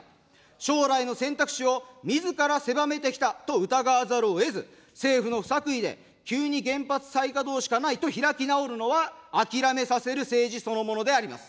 将来の選択肢をみずから狭めてきたと疑わざるをえず、政府の不作為で、急に原発再稼働しかないと開き直るのは諦めさせる政治そのものであります。